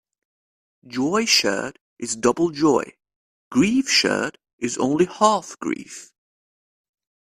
Joy shared is double joy; grief shared is only half grief.